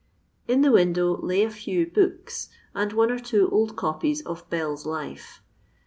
In the window lay a few books, and one or two old copies of BelCs Life.